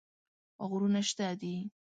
غرونه شته دي.